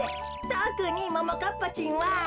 とくにももかっぱちんは。